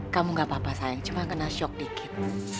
kamu gak apa apa sayang cuma kena shock dikit